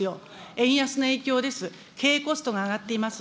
円安の影響です経営コストが上がっています。